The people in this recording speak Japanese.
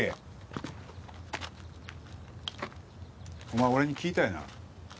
お前俺に聞いたよな？